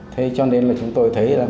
thế cho nên là chúng tôi thấy là